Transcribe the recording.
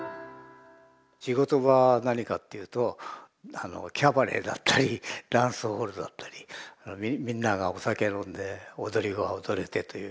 仕事場は何かっていうとキャバレーだったりダンスホールだったりみんながお酒飲んで踊りが踊れてという。